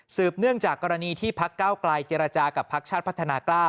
เนื่องจากกรณีที่พักเก้าไกลเจรจากับพักชาติพัฒนากล้า